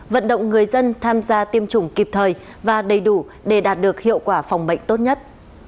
vận động người dân tham gia tiêm chủng kịp thời và đầy đủ để đạt được hiệu quả phòng bệnh tốt nhất